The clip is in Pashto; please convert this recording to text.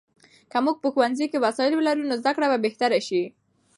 که موږ په ښوونځي کې وسایل ولرو، نو زده کړه به بهتره سي.